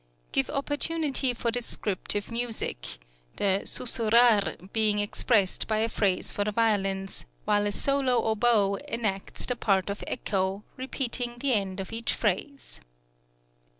give opportunity for descriptive music, the susurrar being expressed by a phrase for the violins, while a solo oboe enacts the part of Echo, repeating the end of each phrase.